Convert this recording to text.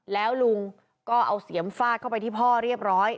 แล้วลุงก็เอาเสียมฟาดเข้าไปที่พ่อเรียบร้อย